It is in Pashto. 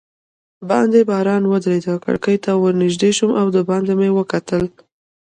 باندې باران ورېده، کړکۍ ته ور تېر شوم او دباندې مې وکتل.